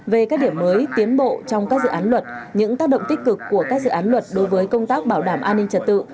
về các điểm mới tiến bộ trong các dự án luật những tác động tích cực của các dự án luật đối với công tác bảo đảm an ninh trật tự